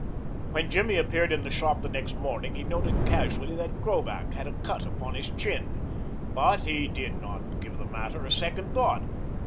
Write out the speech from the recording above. When Jimmy appeared in the shop the next morning he noted casually that Krovac had a cut upon his chin, but he did not give the matter a second thought.